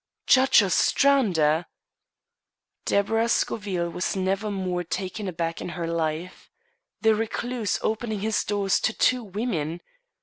"Judge Ostrander!" Deborah Scoville was never more taken aback in her life. The recluse opening his doors to two women!